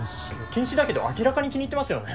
禁止だけど明らかに気に入ってますよね？